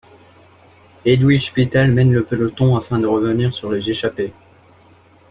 Edwige Pitel mène le peloton afin de revenir sur les échappées.